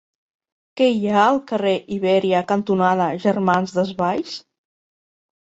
Què hi ha al carrer Ibèria cantonada Germans Desvalls?